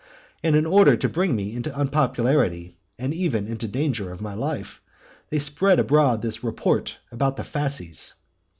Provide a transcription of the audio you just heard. And in order to bring me into unpopularity, and even into danger of my life, they spread abroad this report about the fasces.